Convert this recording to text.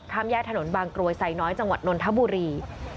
แยกถนนบางกรวยไซน้อยจังหวัดนนทบุรี